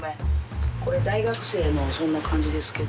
これ大学生のそんな感じですけど。